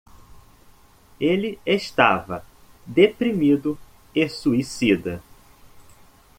Ele estava deprimido e suicida.